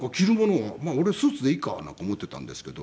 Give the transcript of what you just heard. まあ俺スーツでいいかなんか思っていたんですけど